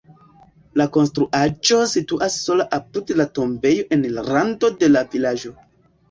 La konstruaĵo situas sola apud la tombejo en rando de la vilaĝo.